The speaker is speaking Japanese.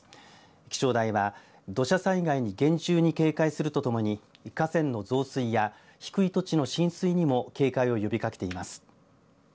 気象台は土砂災害に厳重に警戒するとともに河川の増水や低い土地の浸水にも警戒を呼びかけています。